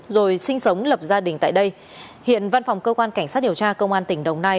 rồi sinh sống lập gia đình tại đây hiện văn phòng cơ quan cảnh sát điều tra công an tỉnh đồng nai